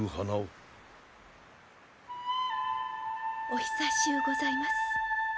お久しゅうございます